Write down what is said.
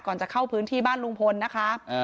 จะเข้าพื้นที่บ้านลุงพลนะคะ